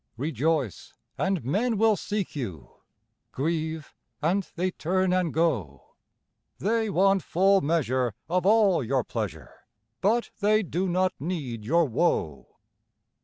Rejoice, and men will seek you; Grieve, and they turn and go; They want full measure of all your pleasure, But they do not need your woe.